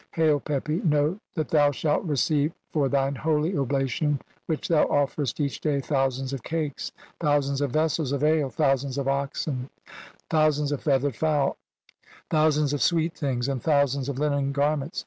Hail, Pepi, know thou "that thou shalt receive (46) for thine holy oblation "which thou offerest each day, thousands of cakes, "thousands of vessels of ale, thousands of oxen, thou sands of feathered fowl, thousands of sweet things, "and thousands of linen garments.